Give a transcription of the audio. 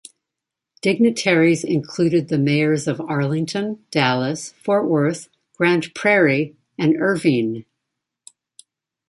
Dignitaries included the mayors of Arlington, Dallas, Fort Worth, Grand Prairie, and Irving.